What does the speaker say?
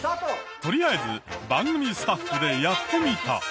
とりあえず番組スタッフでやってみた。